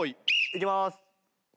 いきまーす！